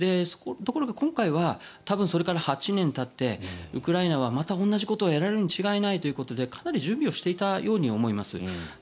ところが今回は多分それから８年たってウクライナはまた同じことをやられるに違いないということでかなり準備をしていたように思います。